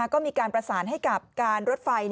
ก็มีการประสานให้กับการรถไฟ